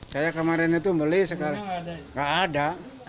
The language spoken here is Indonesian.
saya kemarin itu beli sekarang nggak ada